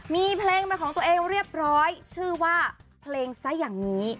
มีเพลงเป็นของตัวเองเรียบร้อยชื่อว่าเพลงซะอย่างนี้